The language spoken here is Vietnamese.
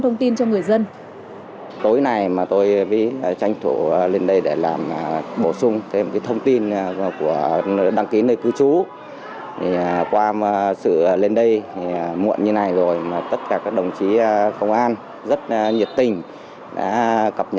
ông ốm ba năm nay